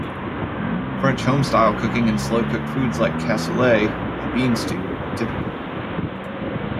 French home-style cooking, and slow-cooked foods like cassoulet, a bean stew, are typical.